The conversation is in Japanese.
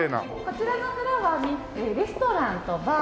こちらのフロアにレストランとバー。